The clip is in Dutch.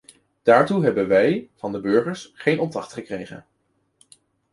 Daartoe hebben wij van de burgers geen opdracht gekregen.